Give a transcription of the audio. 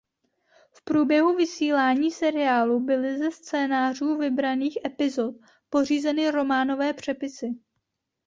V průběhu vysílání seriálu byly ze scénářů vybraných epizod pořízeny románové přepisy.